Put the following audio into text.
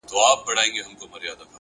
پرمختګ د ثابتو هڅو حاصل دی!.